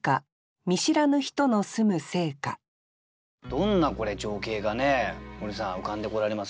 どんなこれ情景がね森さん浮かんでこられます？